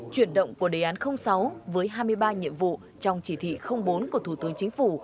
chuyển động của đề án sáu với hai mươi ba nhiệm vụ trong chỉ thị bốn của thủ tướng chính phủ